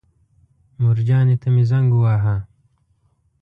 مورجانې ته مې زنګ وواهه.